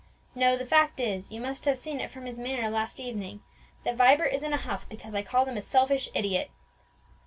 No; the fact is you must have seen it from his manner last evening that Vibert is in a huff because I called him a selfish idiot."